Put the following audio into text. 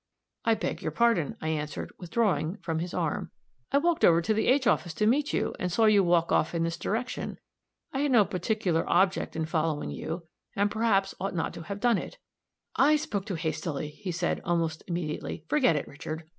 "I beg your pardon," I answered, withdrawing from his arm, "I walked over to the H office to meet you, and saw you walk off in this direction. I had no particular object in following you, and perhaps ought not to have done it." "I spoke too hastily," he said, almost immediately. "Forget it, Richard.